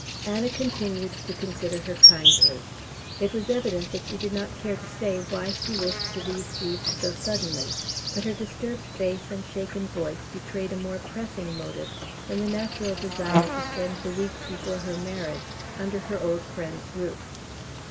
Anna continued to consider her kindly. It was evident that she did not care to say why she wished to leave Givre so suddenly, but her disturbed face and shaken voice betrayed a more pressing motive than the natural desire to spend the weeks before her marriage under her old friends' roof.